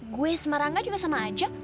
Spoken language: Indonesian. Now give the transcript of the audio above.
gue sama rangga juga sama aja